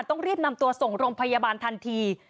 ต้องรีบนำตัวส่งโรงพยาบาลทันที